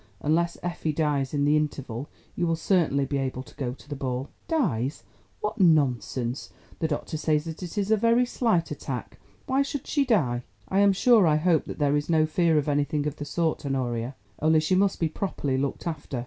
Unless Effie dies in the interval, you will certainly be able to go to the ball." "Dies—what nonsense! The doctor says that it is a very slight attack. Why should she die?" "I am sure I hope that there is no fear of anything of the sort, Honoria. Only she must be properly looked after.